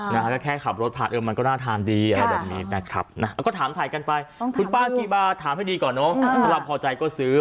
แล้วแค่ขับรถพักมันก็น่าทานที่ดี